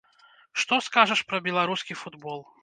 Што скажаш пра беларускі футбол?